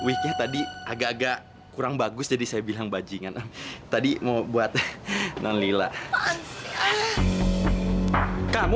weeknya tadi agak agak kurang bagus jadi saya bilang bajingan tadi mau buat non lila kamu